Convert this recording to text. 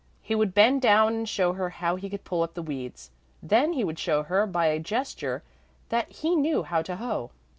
He would bend down and show her how he could pull up the weeds; then he would show her by a gesture that he knew how to hoe.